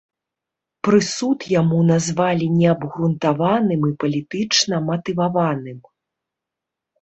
Прысуд яму назвалі неабгрунтаваным і палітычна матываваным.